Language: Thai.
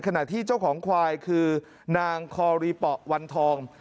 ขณะที่เจ้าของควายคือนางคอรีเปาะวันทอง